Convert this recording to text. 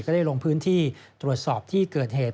ได้ลงพื้นที่ตรวจสอบที่เกิดเหตุ